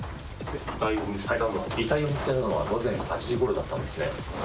遺体を見つけたのは午前８時ごろだったんですね？